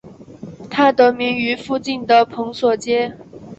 它得名于附近的蓬索街。